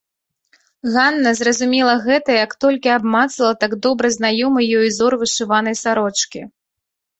Ганна зразумела гэта, як толькі абмацала так добра знаёмы ёй узор вышыванай сарочкі.